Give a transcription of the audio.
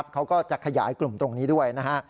เขาก็จะขยายกลุ่มตรงนี้ด้วยนะฮะ